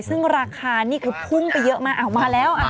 ซึ่งราคานี่คือพุ่งไปเยอะมากมาแล้ว